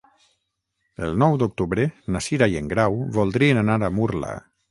El nou d'octubre na Cira i en Grau voldrien anar a Murla.